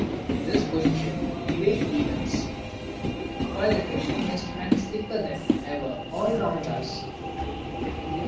In this position we wait events, while the dripping mist hangs thicker than ever all round us.